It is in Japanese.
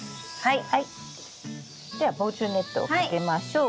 では防虫ネットをかけましょう。